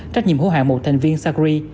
trách nhiệm hữu hạng một thành viên sacri